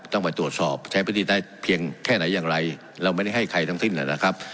ต้องไปตรวจสอบใช้พื้นที่ได้เพียงแค่ไหนอย่างไรเราไม่ได้ให้ใครทั้งสิ้นนะครับ